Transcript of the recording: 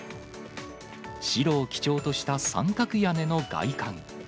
白を基調とした三角屋根の外観。